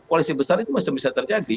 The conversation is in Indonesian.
koalisi besar itu masih bisa terjadi